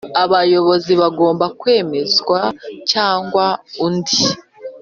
Abayobozi bagomba kwemezwa cyangwa undi